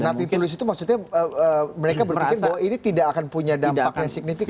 nothing tulus itu maksudnya mereka berpikir bahwa ini tidak akan punya dampaknya signifikan